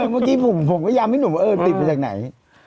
เมื่อกี้ผมพยายามให้หนุ่มว่าเออติดมาจากไหน